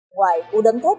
ngoài cú đấm thết